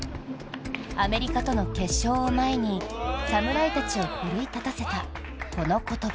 アメリカとの決勝を前に、侍たちを奮い立たせたこの言葉。